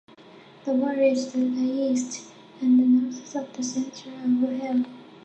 The ward is to the east and the northeast of the centre of Huddersfield.